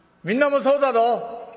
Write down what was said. みんなもそうだろ？